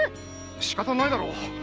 しかたないだろう。